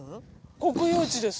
「国有地です」